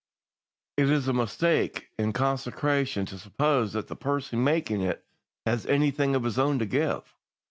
"It is a mistake in consecration to suppose that the person making it has anything of his own to give.